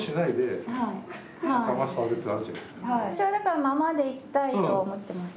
私はだからままでいきたいと思っています。